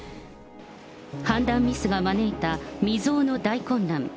判断ミスが招いた未曽有の大混乱。